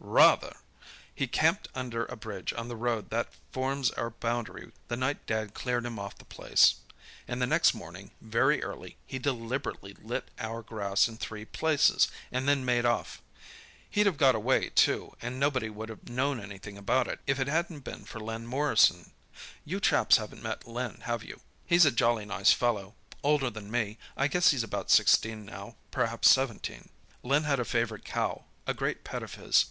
"Rather! He camped under a bridge on the road that forms our boundary the night Dad cleared him off the place, and the next morning, very early, he deliberately lit our grass in three places, and then made off. He'd have got away, too, and nobody would have known anything about it, if it hadn't been for Len Morrison. You chaps haven't met Len, have you? He's a jolly nice fellow, older than me, I guess he's about sixteen now—perhaps seventeen. "Len had a favourite cow, a great pet of his.